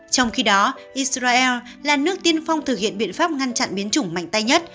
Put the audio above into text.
trong khi đó israel là nước tiên phong thực hiện biện pháp ngăn chặn biến chủng mạnh tay nhất